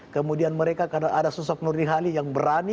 kemudian mereka karena ada sosok nurdin hali yang berani